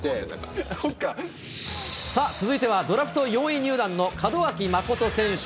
続いてはドラフト４位入団の門脇誠選手。